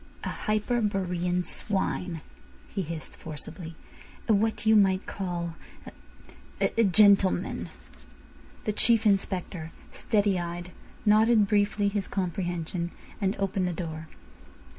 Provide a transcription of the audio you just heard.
"A Hyperborean swine," he hissed forcibly. "A what you might call a—a gentleman." The Chief Inspector, steady eyed, nodded briefly his comprehension, and opened the door.